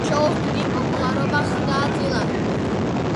შოუს დიდი პოპულარობა ხვდა წილად.